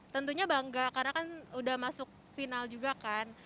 tentunya bangga karena kan udah masuk final juga kan